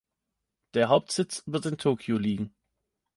Der Hauptsitz wird in Tokyo liegen.